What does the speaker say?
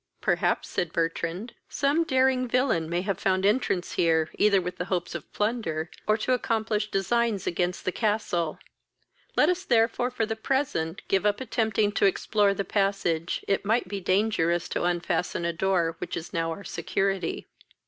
"Perhaps (said Bertrand) some daring villain may have found entrance here, either with the hopes of plunder, or to accomplish designs against the castle; let us therefore, for the present, give up attempting to explore the passage; it might be dangerous to unfasten a door which is now our security."